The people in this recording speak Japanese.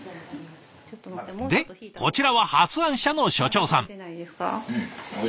でこちらは発案者の所長さん。